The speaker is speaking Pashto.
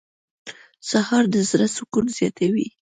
سهار د زړه سکون زیاتوي.